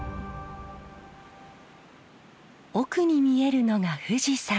奥に見えるのが富士山。